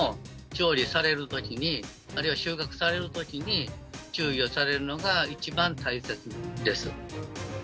調理される時にあるいは収穫される時に注意をされるのが一番大切です。